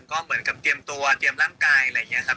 ก็เหมือนกับเตรียมตัวเตรียมร่างกายอะไรอย่างนี้ครับ